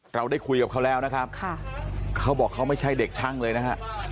เราได้คุยกับเขาแล้วนะครับเขาบอกเขาไม่ใช่เด็กช่างเลยนะฮะ